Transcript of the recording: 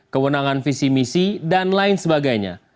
kewenangan visi misi dan keputusan untuk menangkap penyelidikan